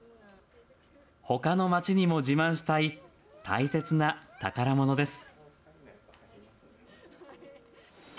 ほかの街にも自慢したい大切な宝物です。